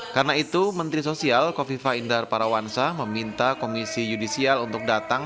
karena itu menteri sosial kofifa indar parawansa meminta komisi yudisial untuk datang